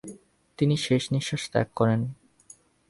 তিনি শেষ নিঃশ্বাস ত্যাগ করেন।